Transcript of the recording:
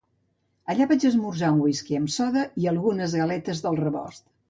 Allà, vaig esmorzar un whisky amb soda i algunes galetes del rebost.